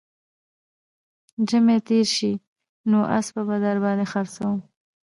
زمى تېر سي نو اسپه به در باندې خرڅوم